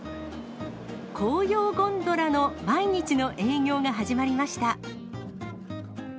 紅葉ゴンドラの毎日の営業が始まりました。